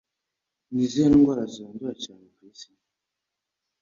Ni izihe ndwara zandura cyane ku isi?